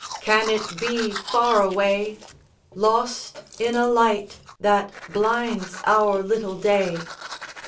Can it be far away, Lost in a light that blinds our little day?